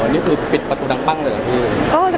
อ๋อนี่คือปิดประตูดังปั้งเลยหรือเป็น